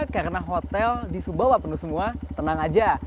karena hotel di sumbawa penuh semua tenang aja